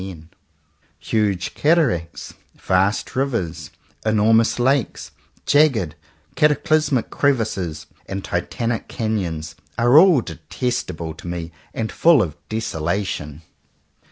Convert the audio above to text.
86 JOHN COWPER POWYS Huge cataracts, vast rivers, enormous lakes, jagged, cataclysmic crevices, and titanic canyons, are all detestable to me and full of desolation.